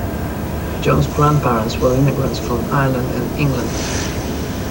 John's grandparents were immigrants from Ireland and England.